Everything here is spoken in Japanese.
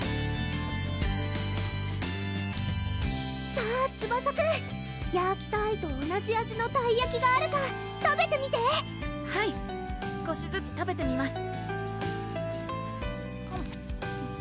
さぁツバサくんヤーキターイと同じ味のたいやきがあるか食べてみてはい少しずつ食べてみます